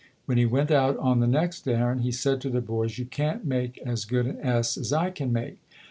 When he went out on the next errand, he said to the boys, "You can't make as good an S as I can make".